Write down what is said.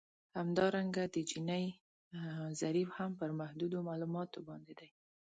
همدارنګه د جیني ضریب هم پر محدودو معلوماتو باندې دی